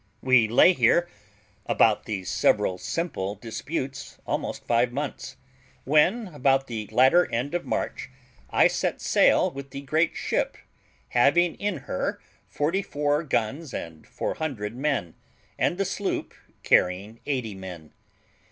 We lay here, about these several simple disputes, almost five months, when, about the latter end of March, I set sail with the great ship, having in her forty four guns and 400 men, and the sloop, carrying eighty men.